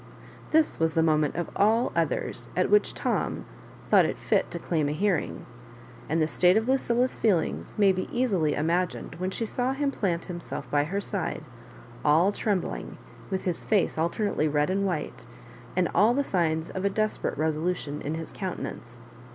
This was the moment of all others ftt which Tom thought fit to claim a hearing ; and the state of Lucilla's feelings may be easily imagined when she saw him plant himself by her side, all trembling, with his face alternately red and white, and all the signs of a desperate resolution in his countenance.